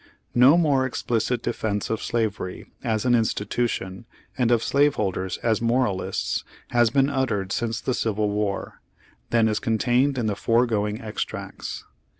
No more explicit defense of slavery as an in stitution, and of slaveholders as moralists has been uttered since the Civil War, than is contained in the foregoing extracts.